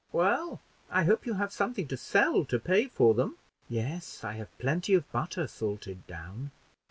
"Well, I hope you have something to sell to pay for them?" "Yes; I have plenty of butter salted down."